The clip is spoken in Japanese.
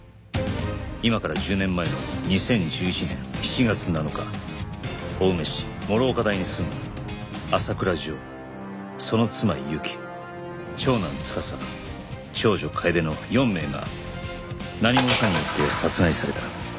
今から１０年前の２０１１年７月７日青梅市師岡台に住む浅倉譲その妻・雪長男・司長女・楓の４名が何者かによって殺害された